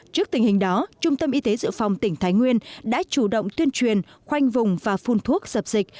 trước tình hình đó trung tâm y tế dự phòng tỉnh thái nguyên đã chủ động tuyên truyền khoanh vùng và phun thuốc dập dịch